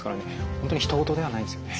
本当にひと事ではないですよね。